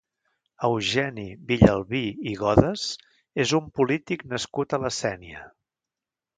Eugeni Villalbí i Godes és un polític nascut a la Sénia.